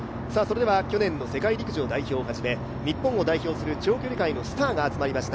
去年の世界陸上代表をはじめ日本を代表する長距離界のスターが集まりました